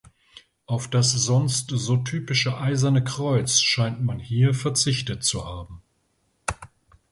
Auf das sonst so typische Eiserne Kreuz scheint man hier verzichtet zu haben.